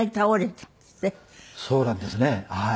そうなんですね。